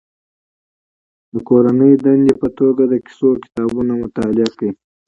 د کورنۍ دندې په توګه د کیسو کتابونه مطالعه کړي.